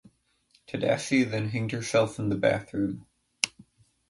Tadesse then hanged herself in the bathroom.